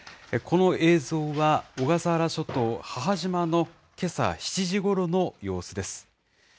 この映像は、小笠原諸島母島のけさ７時ごろの様子です。